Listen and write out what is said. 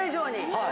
はい。